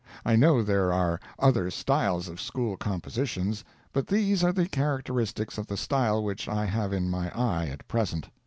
I know there are other styles of school compositions, but these are the characteristics of the style which I have in my eye at present.